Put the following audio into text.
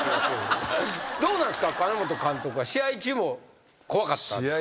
どうなんすか金本監督は試合中も怖かったんですか？